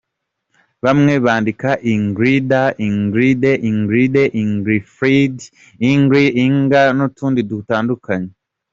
Bamwe bandika Ingrida, Ingirid, Ingerid, Ingfrid, Ingri, Inger n’ukundi gutandukanye.